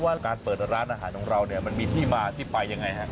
ว่าการเปิดร้านอาหารของเรามันมีที่มาที่ไปอย่างไร